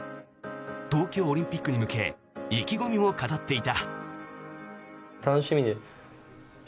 東京オリンピックに向け意気込みも語っていた。